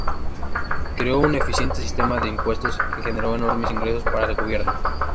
Creó un eficiente sistema de impuestos que generó enormes ingresos para el gobierno.